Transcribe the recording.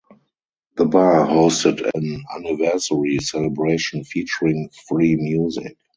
The bar hosted an anniversary celebration featuring free music.